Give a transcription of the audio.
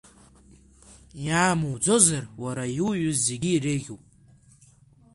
Иамуӡозар, уара иуҩыз зегьы иреиӷьуп.